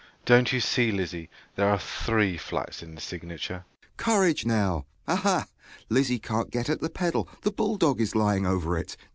Don't you see, Lizzie, there are three flats in the signature? JOHN S. Courage now! Aha! Lizzie can't get at the pedal, the bull dog is lying over it.